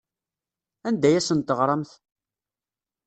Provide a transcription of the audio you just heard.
Anda ay asen-teɣramt?